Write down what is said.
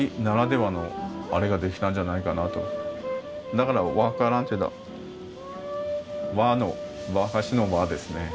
だから「わからん」というのは「わ」の和菓子の「和」ですね。